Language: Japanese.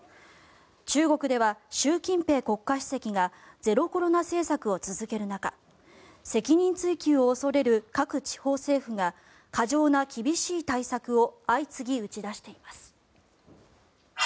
中国では習近平国家主席がゼロコロナ政策を続ける中責任追及を恐れる各地方政府が過剰な厳しい対策を相次ぎ打ち出しています。